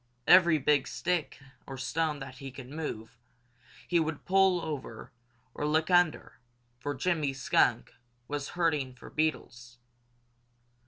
Every big stick or stone that he could move, he would pull over or look under, for Jimmy Skunk was hunting for beetles.